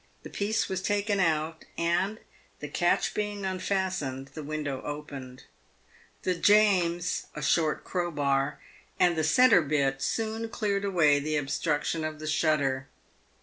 The piece was taken out, and, the catch being unfastened, the window opened. The "james" — a short crowbar — and the centrebit soon cleared away the obstruction of the shutter.